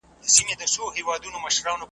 نه به بیا هغه ارغوان راسي .